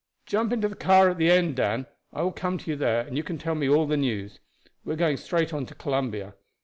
"Jump into the car at the end, Dan; I will come to you there, and you can tell me all the news. We are going straight on to Columbia.